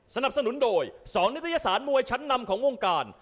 สนับสนุนโดย๒นิตยสารมวยชั้นนำของวงการ